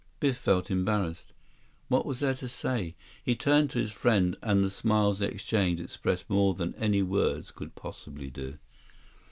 Biff felt embarrassed. What was there to say? He turned to his friend, and the smiles they exchanged expressed more than any words could possibly do.